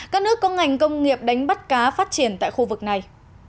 các nước có ngành công nghiệp đánh bắt cá phát triển tại khu vực này